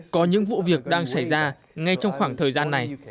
có những vụ việc đang xảy ra ngay trong khoảng thời gian này